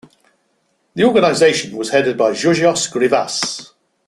The organisation was headed by Georgios Grivas.